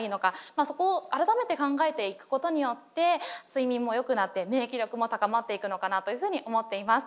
そこを改めて考えていくことによって睡眠もよくなって免疫力も高まっていくのかなというふうに思っています。